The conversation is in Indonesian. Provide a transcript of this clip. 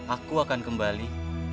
aku akan kembali